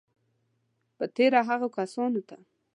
په تېره هغو کسانو ته